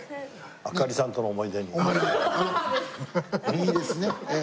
いいですねええ。